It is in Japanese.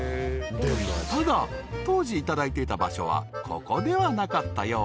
［ただ当時いただいていた場所はここではなかったようで］